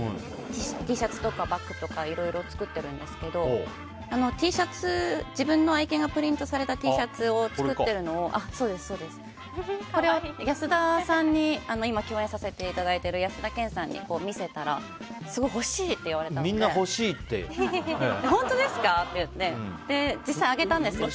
Ｔシャツとかバッグとかいろいろ作ってるんですけど自分の愛犬がプリントされたＴシャツを作ってるのを共演させていただいている安田顕さんに見せたらすごい欲しいと言われたので実際あげたんですよ